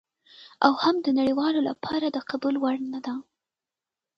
او هم د نړیوالو لپاره د قبول وړ نه ده.